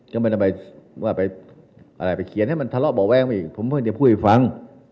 ก็ไม่ได้ไปเขียนให้มันทะเลาะเบาแว้งไปอีกผมเพิ่งจะพูดให้ฟัง